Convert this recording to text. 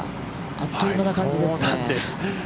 あっという間な感じですね。